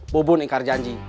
bu bun ikar janji